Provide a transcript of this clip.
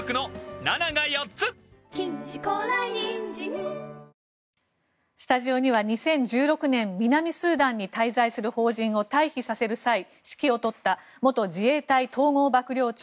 スーダンには日本人が一部まだ残されているがスタジオには２０１６年南スーダンに滞在する邦人を退避させる際、指揮を執った元自衛隊統合幕僚長